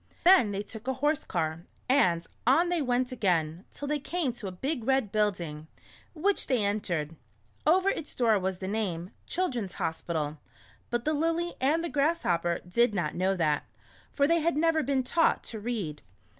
Then they took a horse car, and on they went again, till they came to a big red building, which they en tered. Over its door was the name, " Children's Hospital," but the Lily and the Grasshopper did not know that, for they had never been taught to read.